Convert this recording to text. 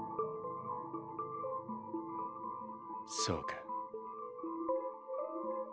そうか。